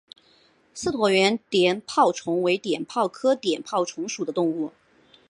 似椭圆碘泡虫为碘泡科碘泡虫属的动物。